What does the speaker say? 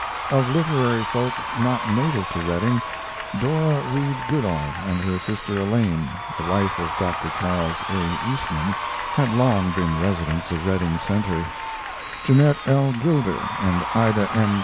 Of literary folk not native to Redding, Dora Reed Goodale and her sister Elaine, the wife of Dr. Charles A. Eastman, had, long been residents of Redding Center; Jeanette L. Gilder and Ida M.